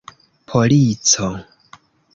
polico